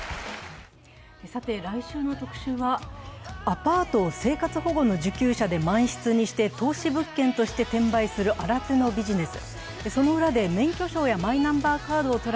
来週の特集は、アパートを生活保護の受給者で満室にして投資物件として転売する新手のビジネス。